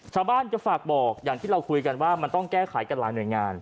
ชาวบ้านจะฝากบอกอย่างที่เราคุยกันว่ามันต้องแก้ไขกันหลายหน่วยงาน